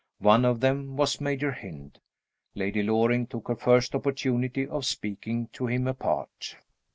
One of them was Major Hynd. Lady Loring took her first opportunity of speaking to him apart.